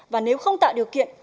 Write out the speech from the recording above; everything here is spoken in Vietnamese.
và nếu không tạo điều kiện